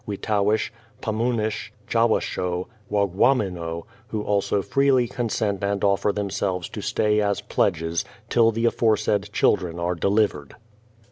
Weetowish, Pummunish, Jawashoe, Waughwamino, who also freely consent and offer themselves to stay as pledges, till the aforesaid children are delivered.